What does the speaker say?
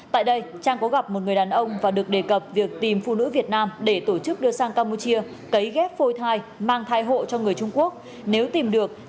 tại đây trang có gặp một người đàn ông và được đề cập việc tìm phụ nữ việt nam để tổ chức đưa sang campuchia cấy ghép phôi thai mang thai hộ cho người trung quốc nếu tìm được